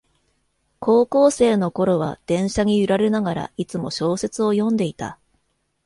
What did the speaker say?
高校生のころは電車に揺られながら、いつも小説を読んでいた